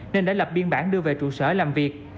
nên đã lập biên bản đưa về trụ sở làm việc